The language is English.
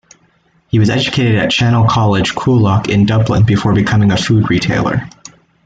He was educated at Chanel College, Coolock in Dublin before becoming a food retailer.